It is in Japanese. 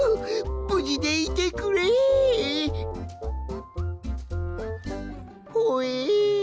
ぶじでいてくれ！ほえ！？